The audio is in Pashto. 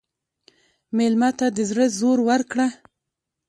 مېلمه ته د زړه زور ورکړه.